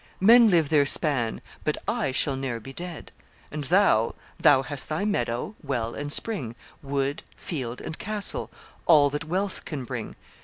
Men live their span; but I shall ne'er be dead. And thou thou hast thy meadow, well, and spring, Wood, field, and castle all that wealth can bring.